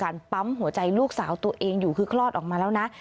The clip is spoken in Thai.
พาพนักงานสอบสวนสนราชบุรณะพาพนักงานสอบสวนสนราชบุรณะ